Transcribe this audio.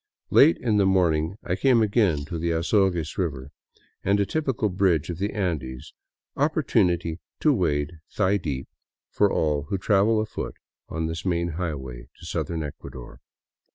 Late in the morning I came again to the Azogues river, and a typical bridge of the Andes, — opportunity to wade thigh deep for all who travel afoot on this main highway to southern Ecuador.